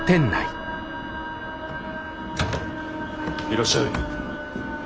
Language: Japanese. いらっしゃい。